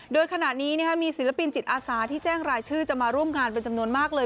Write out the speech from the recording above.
โดยขณะนี้มีศิลปินจิตอาสาที่แจ้งรายชื่อจะมาร่วมงานเป็นจำนวนมากเลย